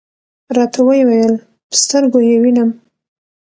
راته وې ویل: په سترګو یې وینم .